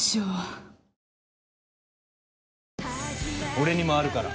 「俺にもあるから。